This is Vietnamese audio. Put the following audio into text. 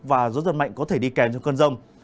và gió giật mạnh có thể đi kèm trong cơn rông